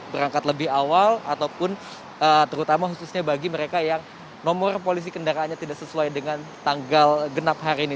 berangkat lebih awal ataupun terutama khususnya bagi mereka yang nomor polisi kendaraannya tidak sesuai dengan tanggal genap hari ini